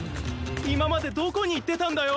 いままでどこにいってたんだよ。